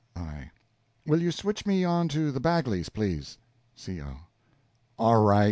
I. Will you switch me on to the Bagleys, please? C. O. All right.